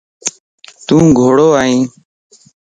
يو گوڙو ائي.